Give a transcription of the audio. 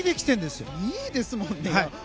２位ですもんね。